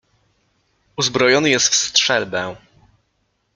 "Uzbrojony jest w strzelbę."